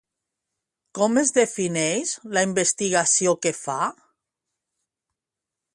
Com es defineix la investigació que fa?